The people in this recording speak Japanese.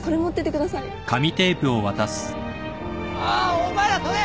お前らそれ。